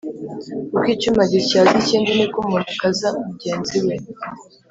uko icyuma gityaza ikindi ni ko umuntu akaza mugenzi we